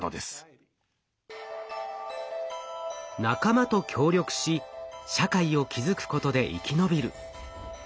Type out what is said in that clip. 仲間と協力し社会を築くことで生き延びる。